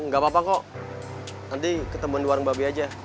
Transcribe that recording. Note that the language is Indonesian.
gak apa apa kok nanti ketemu di warung babi aja